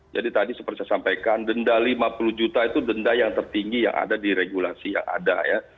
jadi tadi seperti saya sampaikan denda lima puluh juta itu denda yang tertinggi yang ada di regulasi yang ada ya